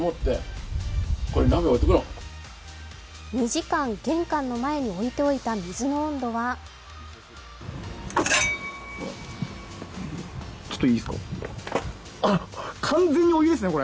２時間、玄関の前に置いておいた水の温度はあっ、完全にお湯ですね